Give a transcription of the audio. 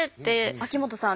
秋元さん